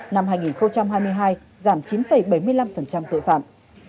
năm hai nghìn hai mươi hai giảm chín bảy mươi năm tội phạm